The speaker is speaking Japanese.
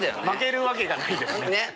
負けるわけがないですね。